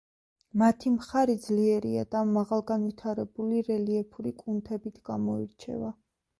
მათი მხარი ძლიერია და მაღალგანვითარებული რელიეფური კუნთებით გამოირჩევა.